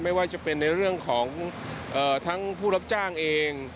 ไม่ว่าจะเป็นในเรื่องของทั้งผู้รับจ้างเอง